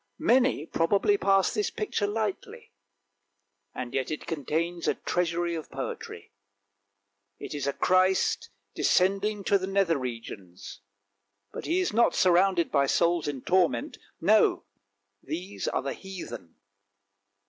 Many probably pass this picture lightly, and yet it contains a treasury of poetry; it is a Christ descending to the nether regions, but He is not surrounded by souls in torment, no, these are the heathen.